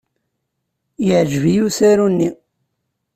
Yeɛjeb-iyi usaru-nni.